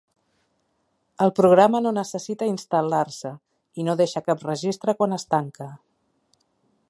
El programa no necessita instal·lar-se i no deixa cap registre quan es tanca.